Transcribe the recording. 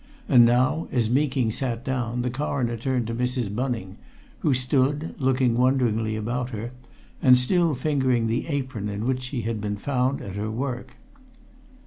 And now as Meeking sat down the Coroner turned to Mrs. Bunning, who stood, looking wonderingly about her, and still fingering the apron in which she had been found at her work.